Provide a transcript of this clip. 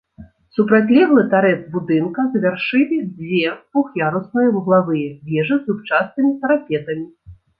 Супрацьлеглы тарэц будынка завяршылі дзве двух'ярусныя вуглавыя вежы з зубчастымі парапетамі.